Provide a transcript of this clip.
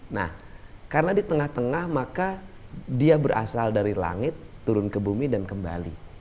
nah karena di tengah tengah maka dia berasal dari langit turun ke bumi dan kembali